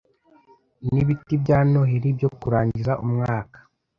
nibiti bya noheri byo kurangiza umwaka